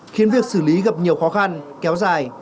khiến việc xử lý gặp nhiều khó khăn kéo dài